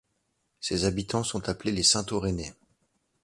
Ses habitants sont appelés les Sainte-Aurennais.